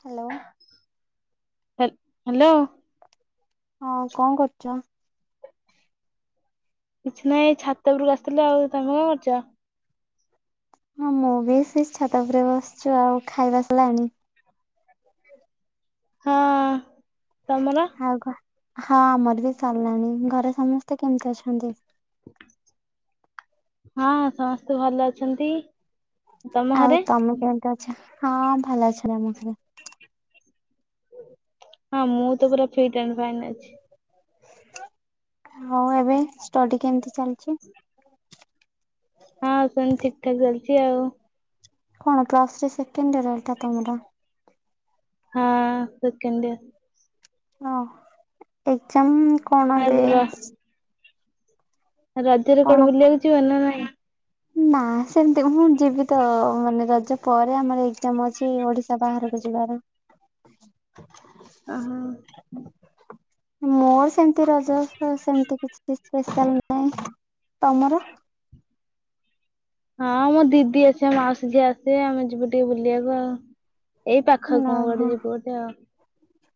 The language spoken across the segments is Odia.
ହ୍ୟାଲୋ ହା ହ୍ୟାଲୋ ହଁ କଣ କରୁଛ? କିଛି ନାଇଁ ଏଇ ଛାତ ଉପରକୁ ଆସିଥିଲି ଆଉ ତମେ କଲ କରୁଚ଼? ହଁ ମୁଁ ବି ସେ ଛାତ ଉପୁରରେ ବସିଛୁ ଆଉ ଖାଇବା ସରିଲାଣି? ହଁ ଅ- ଅ ତମର? ଆଉ କଣ ଆମର ବି ସରିଲାଣି ଘରେ ସମସ୍ତେ କେମିତି ଅଛନ୍ତି? ହଁ ସମସ୍ତେ ଭଲ ଅଛନ୍ତି। ତମ ଆଉ ଘରେ? ତମେ କେମିତି ଅଛ ହଁ ଭଲ ଅଛନ୍ତି ଆମ ଘରେ। ହଁ ମୁଁ ତ ପୁରା ଫିଟ ଆଣ୍ଡ ଫାଇନ୍ ଅଛି। ହଉ ଏବେ ଷ୍ଟଡି କେମତି ଚାଲିଚି? ହଁ ସେନ୍ତ ଠିକ୍ ଠାକ୍ ଚାଲିଛି ଆଉ କଣ ପ୍ଲସ ଥ୍ରୀ ସେକେଣ୍ଡ ଇୟର୍ ଏଟା ତମର? ହଁ ସେକେଣ୍ଡ ଇୟର। ହ ଏକ୍ଜାମ କଣ ଏବେ ଆଉ ର ଆସି ରଜରେ କଣ କୁଆଡ଼େ ବୁଲିବାକୁ ଯିବ ନା ନାଇଁ? ନା ସେମିତି ମୁଁ ଯିବି ତ ଅ ମାନେ ରଜ ପରେ ଆମର ଏକଜାମ ଅଛି ଓଡିଶ ବାହାରକୁ ଯିବାର ଅହ ମୋର ସେମିତି ରଜ ସେମତି କିଛି, କିଛି ନାଇଁ ତମର? [unintelligible] ହଁ ମୋ ଦିଦି ଅଛି ଆଉ ମାଉସୀ ଝିଅ ଆସିବେ ଆମେ ଯିବୁ ଟିକେ ବୁଲିବାକୁ ଆଉ ଏଇ ପାଖ କଣ ଗୋଟେ ଯିବୁ ଗୋଟେ ଆଉ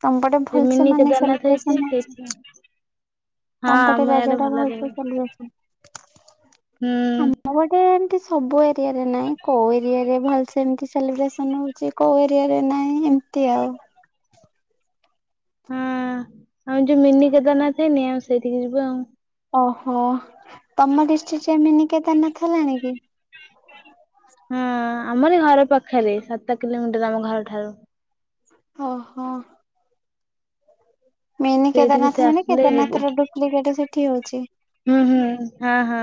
ତମପଟେ ଭଲସେ ମିନି ମାନେ କେଦାରନାଥ ହେଇଛି ସେହିବରର୍ସ ହଉଚି ସେଇଠି ହଁ ଆମ ତମପଟେ ରଜ ଇଆଡେ ଟା ଭଲ ଭଲସେ ରହିବ ସେଲିବର୍ସନ ହୋ ହୁଁ। ଆମ ଗୋଟେ ଏମତି ସବୁ ଏରିଆରେ ନାଇଁ କୋଉ ଏରିଆ ରେ ଭଲ ସେ ସେମତି ସେଲିବ୍ରେସନ ହଉଛି କୋଉ ଏରିଆରେ ନହିଁ ଏମିତି ଆଉ। ହଁ ଆଉ ଯୋଉ ମିନି ଜଗନ୍ନାଥ ନି ଆଉ ସେଇଠିକି ଯିବୁ ଆଉ ଓହୋ ତମ ଡିଷ୍ଟ୍ରିକ୍ଟରେ ଏମିନି ଥ ହେଲାଣି କି? ହଁ ଆମରଟ ଝ ଘର ପାଖରେ ସାତ କିଲୋମିଟର ଆମ ଘର ଠାରୁ। - ଓହୋ। ମିନି ସେଇଠିକି ସେ କେଦାରନାଥ ମାନେ ଆସିଲେ କେଦାରନାଥ ଯିବୁ ର ଡୁପ୍ଲିକେଟ ସେଠି ହଉଛି। ହୁଁ ହୁଁ ହଁ ହଁ।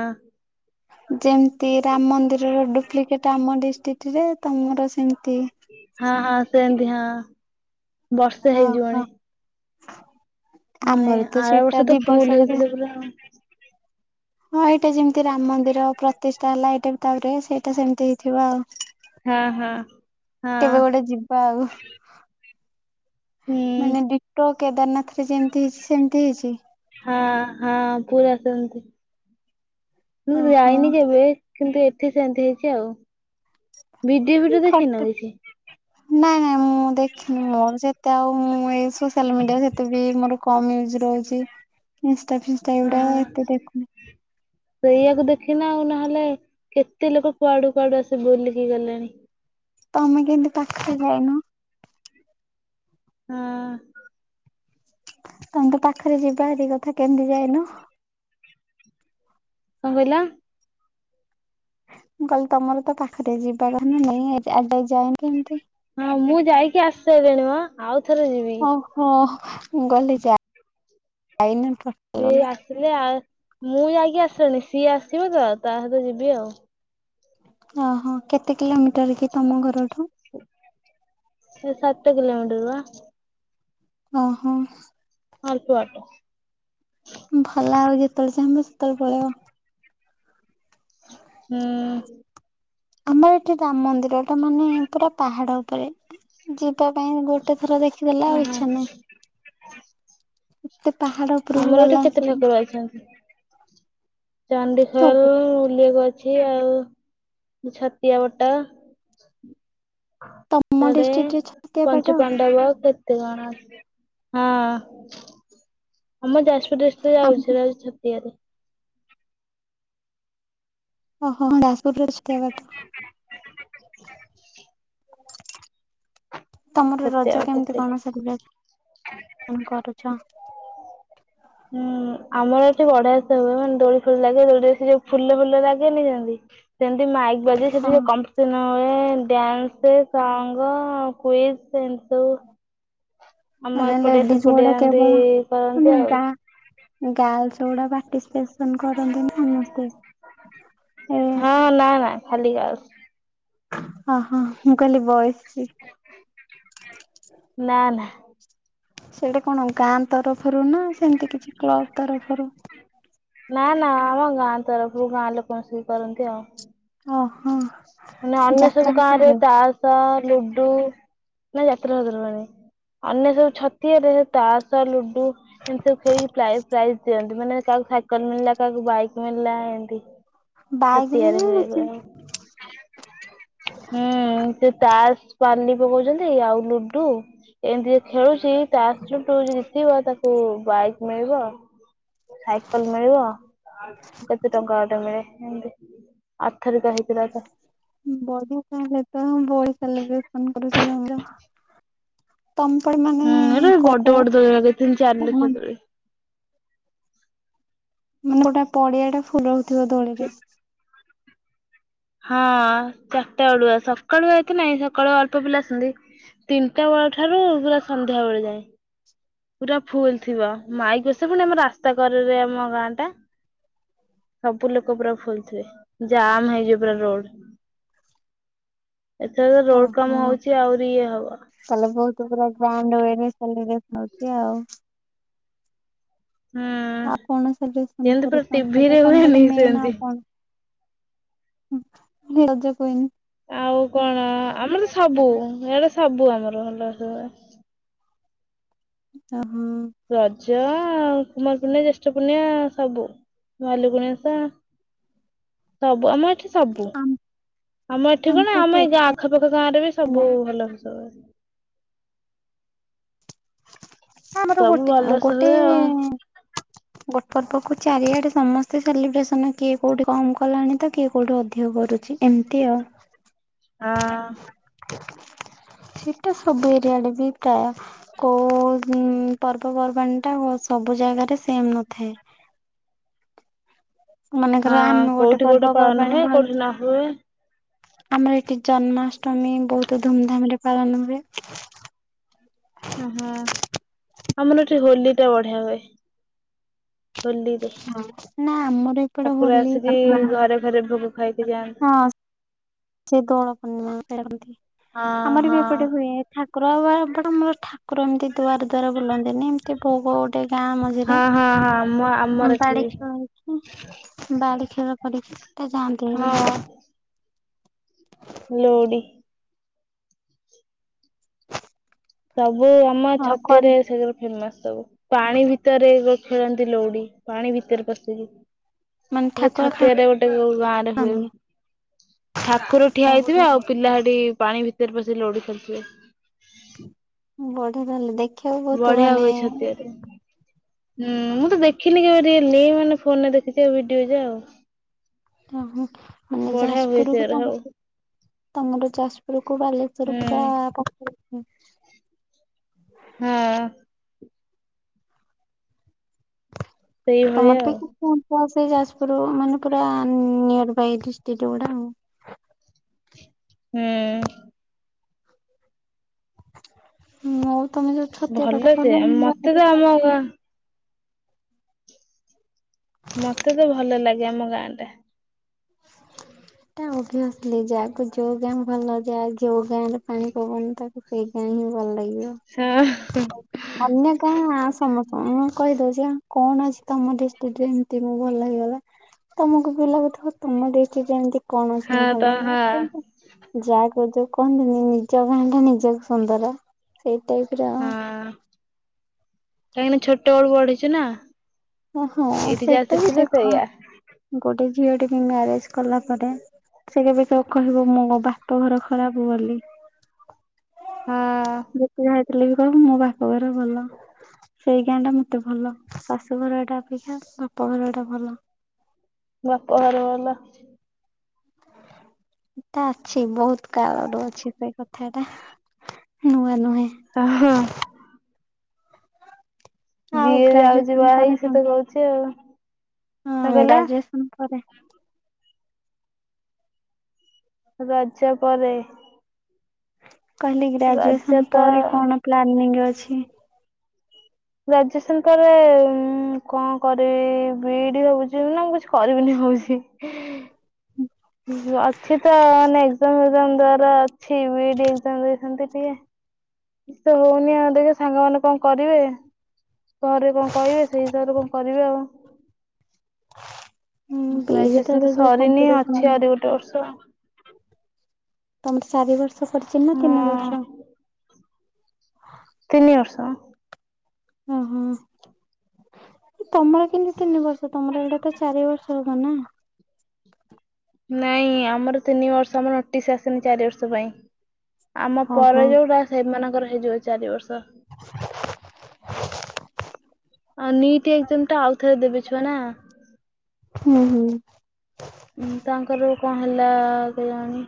ଯେମିତି ରାମ ମନ୍ଦିରର ଡ଼ୁପ୍ଲିକେଟ ଆମ ଡିଷ୍ଟ୍ରିଟିରେ ତମର ସେମତି। ହଁ ହଁ ସେମ୍ତି ହଁ ବର୍ଷେ ଓହୋ ହେଇଯିବଣି। ହଁ ଆମର ଏଇ ତ ଆର ସେଇଟା ବର୍ଷ ତ ଦି ଫୁଲ୍ ବୋଧେ ହେଇଥିଲେ ପୁରା ଆଉ। ହଁ ହେଇଟା ଯେମିତି ରାମ ମନ୍ଦିର ପ୍ରତିଷ୍ଠା ହେଲା ଏଇଟା ବି ତାପରେ ସେଇଟା ସେମିତି ହେଇଥିବ ଆଉ। ହଁ ହଁ। କେବେ ହଁ ଗୋଟେ ଯିବା ଆଉ। ହୁଁ ମାନେ ଡ଼ିଟୋ କେଦାରନାଥ ରେ ଯେମିତି ହେଇଛି ସେମିତି ହେଇଛି? ହଁ ହଁ ପୁରା ସେମତି ମୁଁ ଓହୋ ଯାଇନି କେବେ। କିନ୍ତୁ ଏଠି ସେନ୍ତି ହେଇଛି ଆଉ ଭିଡ଼ିଓ ଫିଡ଼ିଓ ଦେଖିନ ଫଟ କିଛି? ନାଇଁ ନାଇଁ ମୁଁ ଦେଖିନି ମୋର ଯେତ୍ ତେ ଆଉ ମୁଁ ଏ ସୋସିଆଲ ମିଡ଼ିଆ ସେତେବି ମୋର କମ ୟୁଜ ରହୁଛି ଇନଷ୍ଟା ଫିନ୍ସ ଓହୋ। ସେଇଆକୁ ଦେଖିନ ଆଉ ନହେଲେ କେତେ ଲୋକ କୁଆଡ଼ୁ କୁଆଡ଼ୁ ଆସି ବୁଲିକି ଗଲେଣି। ତମେ କେନ୍ତି ପାଖରେ ଯାଇନ? ଅଁ ତମେ ତ ପାଖରେ ଯିବା ହାରି କଥା କେମତି ଯାଇନ? କଣ କହିଲ? ମୁଁ କହିଲି ତମର ତ ପାଖରେ ଯିବା କଥା ନା ନାଇଁ ଆଜି ଯାଏ ଯାଇନ କେମିତି? ହଁ ମୁଁ ଯାଇକି ଆସିି ସାଇଲିଣି ମ ଆଉ ଥରେ ଯିବି। ଓଃ ମୁ କହିଲି ଯାଇନ ଟୋ ସିଏ ଆସିଲେ ଆ ମୁଁ ଯାଇକି ଆସିସାଲି ସିଏ ଆସିବ ତ ତା ସହିତ ଯିବି ଆଉ। ଓହୋ କେତେ କିଲୋମିଟର କି ତମ ଘରଠୁ? ସେ ସାତ କିଲୋମିଟର ବା। ଓହୋ। ଅଳ୍ପ ବାଟ। ଭଲ ଆଉ ଯେତେବେଳେ ଚାହିଁବ ସେତେବେଳେ ପଳେଇବ। ହୁଁ। ଆମର ଏଠି ଦାମ ମନ୍ଦିରଟା ମାନେ ପୁରା ପାହାଡ଼ ଓପରେ। ଯିବା ପାଇଁ ଗୋଟେ ଥର ଦେଖିଦେଲେ ଆଉ ଓହୋ। ଇଚ୍ଛା ନାଇଁ। ପାହାଡ ଉପରକୁ ଆମର ଏଠି ଗଲା କେତେ ସବୁ ଠାକୁର ଅଛନ୍ତି ଚଣ୍ଡିଖୋଲ ସବୁ ବୁଲିଆକୁ ଅ ଛି ଆଉ ଛତିଆ ବଟ। ତମ ଜାଡ଼େ ଡିଷ୍ଟ୍ରିକ୍ଟରେ ଛତିଆ ବାଟ ପଞ୍ଚୁ ପାଣ୍ଡବ କେ ତେ କଣ ହଁ। ଆମ ଯାଜପୁର ଡ଼ିଷ୍ଟ୍ରିକଟ ଆମ ଯାଉଛି ଯାଉ ଛତିଆରେ। ଓହୋ ଯାଜପୁର [unintelligible] ଛତିଆ ବାଟ। ତମର ଛତିଆ ରଜ ବଟ କେମିତି ସେଇଠି। କଣ ସେଲିବ୍ରେଟ ମାନେ କରୁଚ? ଉଁ ଆମର ଏଠି ବଢ଼ିଆ ସେ ହୁଏ ମାନେ ଦୋଳି ଫୋଳି ଲାଗେ ଦୋଳିରେ ସେ ଯୋଉ ଫୁଲ ଫୁଲ ଲାଗେନି ଯେମିତି। ସେମିତି ମାଇକ୍ ବାଜେ। ହଁ ସେଠି ଯୋଉ କମ୍ପିସନ ହୁଏ ଡାନ୍ସ୍ ସଙ୍ଗ୍ ଆଉ କୁଇଜ୍ ଏମିତି ସବୁ। ଆମ ମାନେ ଏପଟିଆ ଲେଡ଼ିଜ ସେପଟିଆ ବୋଡ଼େ ଏମିତି କେବଳ ମ କରନ୍ତି ଆଉ। ଗାଁ ଗାର୍ଲସ ଗୋଡ଼ା ପାର୍ଟିସିପେସନ କରନ୍ତି ସମସ୍ତେ। ଏ ହଁ ନାଁ ନାଁ ଖାଲି ଗାର୍ଲସ୍। ଓହୋ ମୁଁ କହିଲି ବଏଜ୍ ସି ନାଁ ନା। ସେଇଟା କଣ ଗାଁ ତରଫରୁ ନା ସେମତି କିଛି କ୍ଲବ ତରଫରୁ? ନାଁ ନାଁ ଆମ ଗାଁ ତରଫରୁ ଗାଁ ଲୋକ ମିଶିକି କରନ୍ତି ଆଉ। ଓ ହୋ। ମାନେ ଅନ୍ୟ ସବୁ ଗାଁ ରେ ତାସ୍ ସ ଲୁଡୁ ନା ଯାତ୍ରା ଫାତ୍ରାରୁ ଆଣେ ଅନ୍ୟ ସବୁ ଛ ତିଆରେ ତାସ ଲୁଡୁ ଏମିତି ସବୁ ଖେଳିକି ପ୍ରାଇଜ ପ୍ରାଇଜ ଦିଅନ୍ତି ମାନେ କାହାକୁ କନ ମିଳିଲା, କାହାକୁ ବାଇକ୍ ମିଳିଲା ଏମତି। ବାଇକ୍ ବି ମିଳୁଚି? ହୁଁ, ସେ ତାସ୍ ପାଲି ପକଉଚନ୍ତି, ଆଉ ଲୁଡୁ ଏମତି ଯେ ଖେଳୁଛି ତାସୂ ଲୁଡୁ ଯିଏ ଜିତିବ ତାକୁ ବାଇକ୍ ମିଳିବ। ସାଇକଲ ମିଳିବ, କେତେ ଟଙ୍କା ଗୋଟେ ମିଳେ। ଏମତି, ଆରଥରିକ ହେଇଥିଲା ତ। ବଢିଆ ତାହେଲେ ତ, ବଢି ସେଲିବ୍ରେସନ୍ କରୁଛ ତୋମର। ତମ୍ ପୁଣି ମାନେ ଏରା ବଡ ବଡ ଦୋଳି ଲଗେଇଥିଲେ ତିନି ଚାରି କ-କୋଉ ଲକ୍ଷ ମାନ ଦୋଳି। ମାନେ ଗୋଟେ ପଡିଆ ଟା ଫୁଲ୍ ରହୁଥିବ ଦୋଳିରେ। ହଁ ଚାଟା ବଳୁଆ, ସକାଳୁଆ ଏତେ ନାଇଁ, ସକାଳୁ ଅଳ୍ପ ପିଲା ଆସନ୍ତି। ତିନିଟା ବେଳ ଠାରୁ ପୁରା ସନ୍ଧ୍ୟା ବେଳେ ଯାଏଁ। ପୁରା ଫୁଲ୍ ଥିବ, ମାଇକ୍ ସେ ପୁଣି ଆମ ରାସ୍ତା କରରେ ଆମ ଗାଁ ଟା। ସବୁ ଲୋକ ପୁରା ଫୁଲ୍ ଥିବେ। ଜାମ୍ ହେଇଯିବ ପୁରା ରୋଡ୍। [inaudible] ଏଥର ରୋଡ୍ କାମ ହଉଚି ଆହୁରି ଇଏ ହବ। ତାହାଲେ ବହୁତ ପୁରା ଗ୍ରାଣ୍ଡ ଉୟେ ରେ ସେଲେବ୍ରେସନ୍ ହଉଛି ଆଉ। ହୁଁ ଆ, କଣ ସେଲିବ୍ରେସନ୍ ଯେମିତି ପୁରା କରୁଛ ଆମ ପଟେ। ଟିଭିରେ ତୋମ ପଟେ ହୁଏନି ମେନ୍ ସେମିତି। ଆଉ କଣ? ହଁ ରେ ରଜ କୁଇନ୍। ଆଉ କଣ? ଆ, ଆମର ସବୁ ଇଆଡେ ସବୁ ଆମର ଭଲସେ ହୁଏ। ଓ ହଁ। ରଜ ଆଉ କୁମାର ପୁନେଇ, ଜ୍ୟେଷ୍ଠ ପୁର୍ଣ୍ଣିମା ସବୁ। ଭାଲୁକୁଣି ଓଷା ସବୁ ଆମ ଏଠି ସବୁ, ଆମ ଆମ ଏଠି କଣ ଆମ ଏଇ ଗାଁ ଆଖପାଖ ଗାଁ ରେ ବି ଏତେ ସବୁ ନାହିଁ ଭଲସେ ହୁଏ। ଆମର ସବୁ ଗୋଟେ ଅଁ, ଭଲସେ ଗୋଟେ ହୁଏ ଆଉ ଗୋଟ ପର୍ବ କୁ ଚାରିଆଡେ ସମସ୍ତେ ସେଲିବ୍ରେସନ୍ କିଏ କୋଉଠି କମ କଲାଣି ତ। କିଏ କୋଉଠି ଅଧିକ କରୁଛି। ଏମିତି ଆଉ। ହଁ। ସେଇଟା ସବୁ ଏରିଆ ଆଡେ ବି ପ୍ରାୟ କୋଉ ଉଁ, ପର୍ବପର୍ବାଣୀ ଟା ଓ ସବୁ ଜାଗାରେ ସେମ୍ ନଥାଏ ମନେକର ହଁ ଆମେ ଗୋଟେ କୋଉଠି କୋଉଟା ପାଳନ ପର୍ବପର୍ବାଣୀ ହୁଏ କୋଉଠି ପାଳୁଛେ। ନ ହୁଏ ଆମର ଏଠି ଜନ୍ମାଷ୍ଟମୀ ବହୁତ ଧୁମଧାମ୍ ରେ ପାଳନ ହୁଏ। ଓ ହୋ, ଆମର ଏଠି ହୋଲି ଟା ବଢିଆ ହୁଏ। ହୋଲିରେ, ନା ଆମର ଏପଟେ ଠାକୁର ହୋଲି ଆସିକି ଘରେ ଘରେ ଭୋଗ ଖାଇକି ଯାଆନ୍ତି। ହଁ ସେ ଦୋଳ ପୂର୍ଣିମା କରନ୍ତି ହଁ ଆମର ବି ହଁ ଏପଟେ ହୁଏ। ଠାକୁର ଆଉ ଆ, ଏପଟେ ଆମର ଠାକୁର ଏମିତି ଦୁଆର ଦୁ୍ଆର ବୁଲନ୍ତିନି। ଏମ ତି ଭୋଗ ଗୋଟେ ଗାଁ ମଝିରେ, ହଁ ହଁ ହଁ ଆମ ଉଉଁ, ଆମର ଏଠି ବାଡି ବି ଖେଳନ୍ତି। ବାଡି ଖେଳ କରିକି ତ ଯାଆନ୍ତି ହଁ ହେରି। ଲୋଡି। ସବୁ ଆମ ଆଉ ଛତିଆରେ କଣ ସେଠି ଆମର ଫେମସ୍ ସବୁ। ପାଣି ଭିତରେ ଯୋଉ ଖେଳନ୍ତି ଲୋଡି, ପାଣି ଭିତରେ ପଶିକି। ମାନେ ସେଟା ଠାକୁର ଛତିଆରେ ଗୋଟେ କୋଉ ଗାଁରେ ହୁଏ। ଖେଳନ୍ତି ଠାକୁର ଠିଆ ହେଇଥିବେ ଓହୋ ଆଉ ପିଲା ସେଠି ପାଣି ଭିତରେ ପଶି ଲୋଡି ଖେଳୁଥିବେ। ବଢିଆ ତାହେଲେ ଦେ ବଢିଆ ହୁଏ ଛତିଆରେ। ହୁଁ, ମୁଁ ତ ଦେଖିନି କେବେ ରିଏଲି, ଏଇ ମାନେ ଫୋନୂ ରେ ଦେଖିଚି, ଆଉ ଭିଡିଓ ଯା ଆଉ। [unintelligible] ମାନେ ବଢିଆ ହୁଏ ଯାଜପୁର କୁ ସେରା ତ ଆମ ସବୁ [inaudible] ତୋମର ଯାଜପୁର କୁ ବାଲେଶ୍ୱର ହୁଁ ପୁରା ପାଖରେ। ହୁଁ, ହଁ। ସେଇଭଳିଆ ତୋମର ବି ଆଉ। କିଛି ଅଂଶ ସେଇ ଯାଜପୁର କୁ ମାନେ ପୁରା ଉଁ, ନିୟର୍ ବାଇ ଡିଷ୍ଟ୍ରିକ୍ଟ ଗୁଡା ଆଉ। ହୁଁ। ହୁଁ। ହଁ ଆଉ ତମେ ଯୋଉ ଛତିଆ ଭଲ ପାଟ ଯେ କହିଲ ମୁଁ ମତେ ତ ଆମ ଗାଁ [unintelligible] ମତେ ତ ଭଲ ଲାଗେ ଆମ ଗାଁ ଟା। ଏଇଟା ଓବିଅସ୍ଲୀ ଯାହାକୁ ଯୋଉ ଗାଁ ଭଲ ଯାହା ଯୋଉ ଗାଁ ରେ ପାଣି ପବନି ତାକୁ ସେଇ ଗାଁ ହିଁ ଭଲ ହଁ ଲାଗିବ। ଅନ୍ୟ ଗାଁ ସମସ୍ତଙ୍କୁ ମୁଁ କହିଦଉଛି କଣ ଅଛି ତମ ଡିଷ୍ଟ୍ରିକ୍ଟରେ ଏମିତି ଭଲ ଲାଗିଗଲା। ତମକୁ ବି ଲାଗୁଥିବ ତମ ଡିଷ୍ଟ୍ରିକ୍ଟ ଏମିତି କଣ ଅଛି ହଁ ତମକୁ ତ ଭଲ ହଁ ଲାଗିବ। ଯାହା କହୁଛ କହନ୍ତିନି ନିଜ ଗାଁ ଟା ନିଜକୁ ସୁନ୍ଦର। ସେଇ ଟାଇପର ହଁ କାହିଁକିନା ଛୋଟ ବେଳୁ ବଢିଛୁ ନା। ଓ ହୋ ଏଇଠି ଯାହା ସେଟା ବି ଶିଖିଲୁ ଦେଖ ସେଇଆ ଗୋଟେ ଝିଅ ଟେ ବି ମ୍ୟାରେଜ କଲା ପରେ ସେ କେବେ କାହାକୁ କହିବ ମୁଁ ମୋ ବାପ ଘର ଖରାପ ବୋଲି। ହଁ। ଯେତେ ଯାହା ହେଇଥିଲେ ବି କହିବ ମୋ ବାପଘରେ ଭଲ। ସେଇ ଗାଁ ଟା ମୋତେ ଭଲ। ଶାଶୁ ଘରଟା ଅପେକ୍ଷା ବାପ ଘରଟା ଭଲ। ବାପ ଘର ଭଲ। ଏଟା ଅଛି ବହୁତ କାଳରୁ ଅଛି ସେ କଥା ଟା ନୂଆ ନୁହେଁ। ଓ ହୋ। ଆଉ ଯିଏ ଯାଉଛି ଗ୍ରାଜୁଏସନ ବାହା ପରେ ହେଇକି ସିଏ କଣ ତ କହୁଛି ଆଉ। କଣ ହଁ କହିଲା ଗ୍ରାଜୁଏସନ୍ ପରେ। ରଜ ପରେ। କହିଲି ରଜ ଗ୍ରାଜୁଏସନ୍ ତ ପରେ କଣ ପ୍ଲାନିଂ ଅଛି? ଗ୍ରାଜୁଏସନ୍ ପରେ କଣ କରିବି ବିଇ ଡି ଭାବୁଛି ମୁଁ କିଛି କରିବିନି ଭାବୁଛି। ଅଛି ତ ମାନେ ଏକ୍ଜାମ ଫେକ୍ଜାମ ଦେବାର ଅଛି ବିଇ ଡି ଏକ୍ଜାମ ଦେଇଛନ୍ତି ଟିକେ। କିଛି ତ ହଉନି ଆଉ ଦେଖ ସାଙ୍ଗମାନେ କଣ କରିବେ ଘରେ କଣ କହିବେ ସେଇ ହିସାବରେ କଣ କରିବି ଆଉ ହୁଁ ବିଇ ଗ୍ରାଜୁଏସନ୍ ତ ଯେତେବେଳେ ଯୋଉ ସରିିନି ଅଛି କମ୍ପିଟିସନ ଆଉ ଗୋଟେ ବର୍ଷ। ତମର ଚାରି ବର୍ଷ କରିଚି ନା ତିନି ହଁ ବର୍ଷ? ତିନି ବର୍ଷ। ଓହୋ ତମର କେମିତି ତିନି ବର୍ଷ ତମର ଏଇଟା ତ ଚାରି ବର୍ଷ। ହବନା। ନାଇଁ ଆମର ତିନି ବର୍ଷ ଆମର ନୋଟିସ୍ ଆସିନି ଚାରି ବର୍ଷ ପାଇଁ। ଆମ ହଁ ପରେ ହଁ ଯୋଉଟା ସେମାନଙ୍କର ହେଇଯିବ ଚାରି ବର୍ଷ। ତ। ଆଉ ନିଟ ଏକ୍ଜାମ ଟା ଆଉ ଥରେ ଦେବେ ଛୁଆ ନା। ହୁଁ-ହୁଁ। ଉଁ ତାଙ୍କର କଣ ହେଲା କେଜାଣି?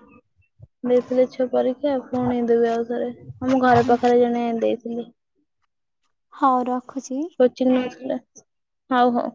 ଦେଇଥିଲେ ଛୁଆ ପରୀକ୍ଷା ପୁଣି ଦେବେ ଆଉଥରେ ଆମ ଘର ପାଖରେ ଜଣେ ଦେଇ ଥିଲେ। ହଉ ରଖୁଛି। [unintelligible] ହଉ ହଉ।